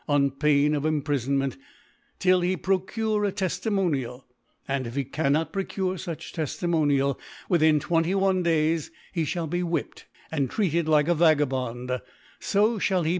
on Pain of Impri I fonment, till he procure a Teftimonial, and if he cannot procure fuch Teftimonial , within 2 1 Days, he (hall be whipped and \ treated like^ a Vagabond i fp Ihail he be if